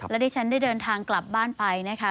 และที่ฉันได้เดินทางกลับบ้านไปนะคะ